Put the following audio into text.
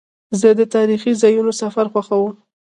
زه د تاریخي ځایونو سفر خوښوم.